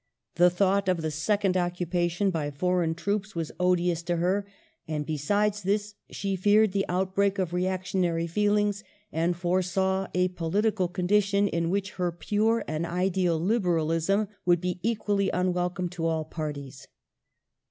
The thought of the second occupation by foreign troops was odious to her, and, besides this, she feared the outbreak of reac tionary feelings, and foresaw a political condition in which her pure and ideal liberalism would be equally unwelcome to all parties.